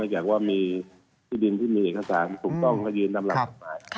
อย่างว่าที่ดินที่มีเอกสารถูกต้องก็ยืนตำรวจสมัย